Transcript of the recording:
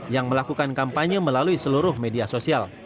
yang melakukan kampanye melalui seluruh media sosial